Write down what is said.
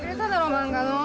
漫画の！